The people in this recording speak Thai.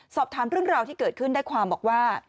สอบถามเรื่องราวที่เกิดขึ้นได้ความบอกว่า